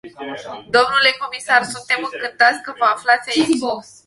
Dle comisar, suntem încântați că vă aflați aici.